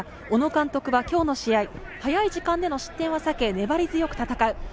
小野監督は今日の試合、早い時間での失点は避け、粘り強く戦う。